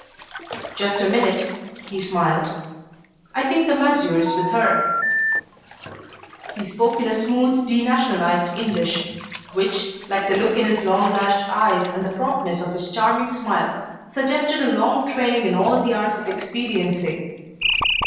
"Just a minute," he smiled; "I think the masseur's with her." He spoke in a smooth denationalized English, which, like the look in his long lashed eyes and the promptness of his charming smile, suggested a long training in all the arts of expediency.